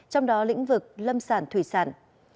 trong đó lĩnh vực lâm sản thủy sản